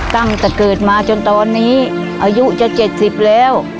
ตั้งแต่เกิดมาจนตอนนี้อายุจะ๗๐แล้ว